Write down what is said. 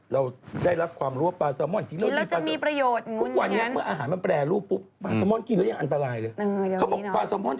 เราได้รับความรู้ว่าปลาสามอน